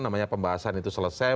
namanya pembahasan itu selesai